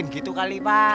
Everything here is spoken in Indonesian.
gitu kali pak